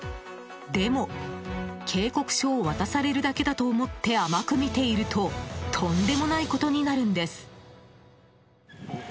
でも警告書を渡されるだけだと思って甘く見ているととんでもないことになるんです。